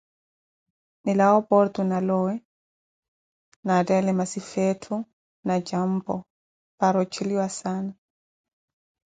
nilawe opoorto, na lowe, naatthalele misifi zettho na jampo para ojeliwa saana.